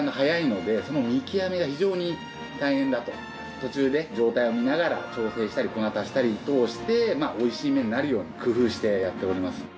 途中で状態を見ながら調整したり粉足したり等して美味しい麺になるように工夫してやっております。